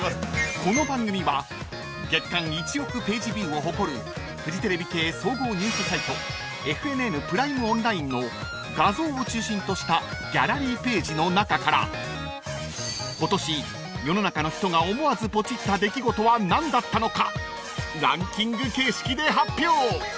［この番組は月間１億ページビューを誇るフジテレビ系総合ニュースサイトＦＮＮプライムオンラインの画像を中心としたギャラリーページの中から今年世の中の人が思わずポチった出来事は何だったのかランキング形式で発表］